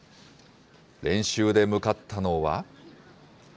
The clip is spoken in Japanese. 練習で向かったのは。